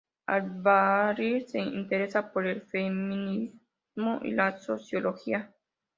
Albarracín se interesa por el feminismo y la sociología.